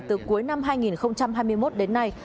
từ cuối năm hai nghìn hai mươi một đến nay